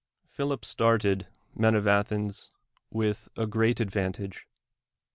Philip started, men of Athens, with a great advantage.